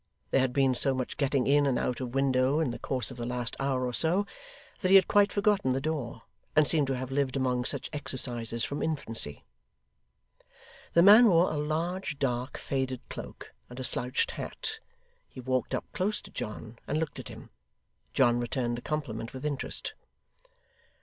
There had been so much getting in and out of window in the course of the last hour or so, that he had quite forgotten the door, and seemed to have lived among such exercises from infancy. The man wore a large, dark, faded cloak, and a slouched hat; he walked up close to John, and looked at him. John returned the compliment with interest.